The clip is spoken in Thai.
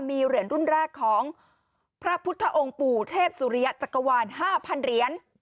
มีเหรียญรุ่นแรกของพระพุทธองค์ปู่เทพสุริยะจักรวาล๕๐๐เหรียญ